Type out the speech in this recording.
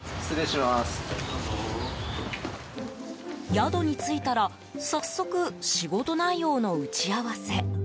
宿に着いたら早速、仕事内容の打ち合わせ。